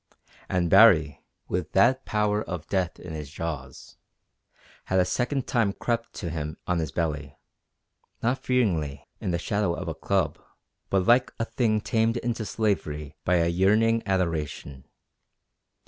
And Baree, with that power of death in his jaws, had a second time crept to him on his belly not fearingly, in the shadow of a club, but like a thing tamed into slavery by a yearning adoration.